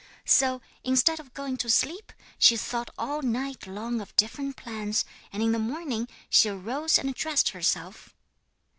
'So instead of going to sleep, she thought all night long of different plans, and in the morning she arose and dressed herself.